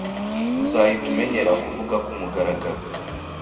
Uzahita umenyera kuvuga kumugaragaro